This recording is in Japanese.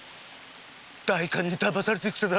代官にだまされて来ただ。